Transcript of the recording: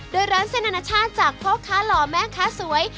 โดยร้านเส้นอนาชาติจากพ่อค้าหล่อแม่ค้าสวย